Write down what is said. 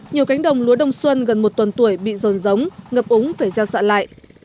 nhiều cánh đồng lúa đông xuân gần một tuần tuổi bị rồn rống ngập ống phải gieo xạ lại